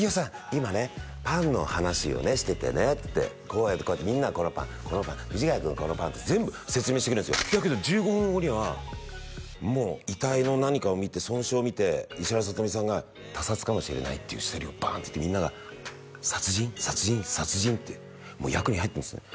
今ねパンの話をしててね」っつって「こうやってこうやってみんなこのパンこのパン」「藤ヶ谷君このパン」って全部説明してくれるんですよだけど１５分後にはもう遺体の何かを見て損傷見て石原さとみさんが「他殺かもしれない」っていうセリフバーンって言ってみんなが「殺人？殺人？殺人？」ってもう役に入ってるんですね